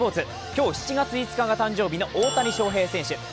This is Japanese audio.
今日、７月５日が誕生日の大谷翔平選手。